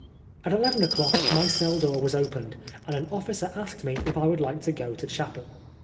At eleven o'clock my cell door was opened, and an officer asked me if I would like to go to chapel.